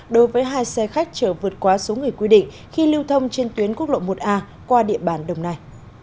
đối với hai xe khách chở vượt qua số người quy định khi lưu thông trên tuyến quốc lộ một a qua địa bàn đồng nai